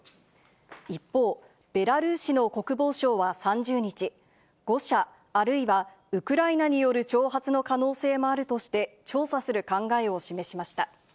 一方、ベラルーシの国防省は３０日、誤射あるいはウクライナによる挑発の可能性もあるとして、調査する考えを示しました。